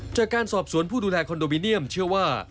จากการสอบสวนผู้ดูแลคอนโดมิเนียมเชื่อว่า